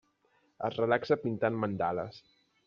Es relaxa pintant mandales.